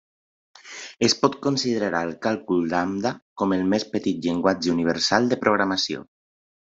Es pot considerar al càlcul lambda com el més petit llenguatge universal de programació.